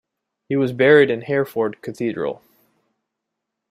He was buried in Hereford Cathedral.